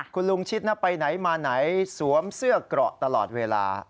คุณลุงชิดไปไหนมาไหนสวมเสื้อเกราะตลอดเวลา